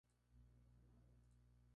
La fruta es una baya.